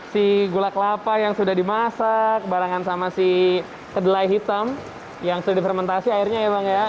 si gula kelapa yang sudah dimasak barengan sama si kedelai hitam yang sudah difermentasi airnya ya bang ya